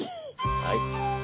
はい。